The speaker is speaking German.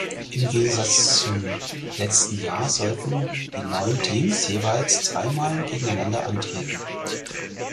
Im Gegensatz zum letzten Jahr sollten die neun Teams jeweils drei Mal gegeneinander antreten.